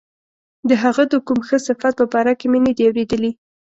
د هغه د کوم ښه صفت په باره کې مې نه دي اوریدلي.